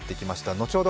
後ほど